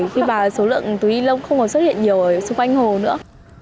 khi mà số lượng túi ni lông không còn xuất hiện nhiều ở xung quanh hồ nữa